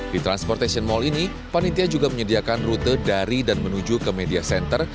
di transportation mall ini panitia juga menyediakan rute dari dan menuju ke media center